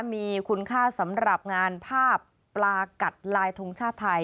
มีคุณค่าสำหรับงานภาพปลากัดลายทงชาติไทย